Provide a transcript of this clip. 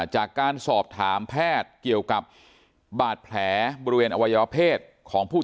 จากการสอบถามแพทย์เกี่ยวกับบาดแผลบริเวณอวัยวเพศของผู้